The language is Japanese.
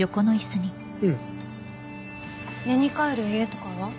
うん寝に帰る家とかは？